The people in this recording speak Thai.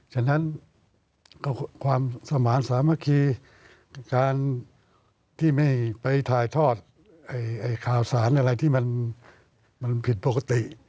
ฉะนั้นก็ความสมาธิสามัคคีการที่ไม่ไปถ่ายทอดข่าวสารอะไรที่มันผิดปกติ